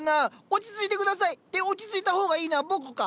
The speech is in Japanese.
落ち着いて下さい。って落ち着いた方がいいのは僕か。